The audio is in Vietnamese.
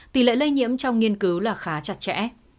tỷ lệ lây nhiễm trong nghiên cứu là khá chặt chẽ